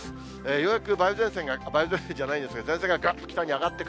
ようやく梅雨前線が、梅雨前線じゃないんですが、前線が北にがっと上がっていく。